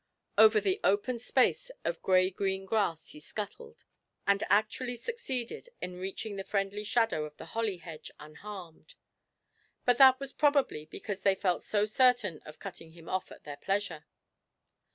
Over the open space of grey green grass he scuttled, and actually succeeded in reaching the friendly shadow of the holly hedge unharmed; but that was probably because they felt so certain of cutting him off at their pleasure.